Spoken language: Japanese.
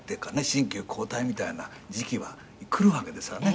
新旧交代みたいな時期は来るわけですからね。